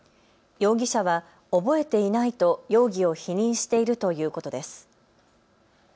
容疑者は覚えていないと容疑を否認しているということです。